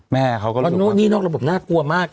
แม่เขาก็รู้สึกว่าหนี้นอกระบบน่ากลัวมาก